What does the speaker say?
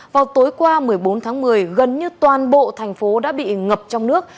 vào tối qua một mươi bốn tháng một mươi gần như toàn bộ thành phố đã bị ngập trong nước